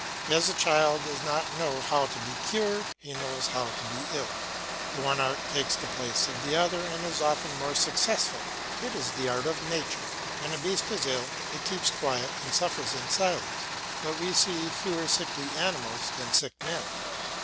As the child does not know how to be cured, he knows how to be ill. The one art takes the place of the other and is often more successful; it is the art of nature. When a beast is ill, it keeps quiet and suffers in silence; but we see fewer sickly animals than sick men.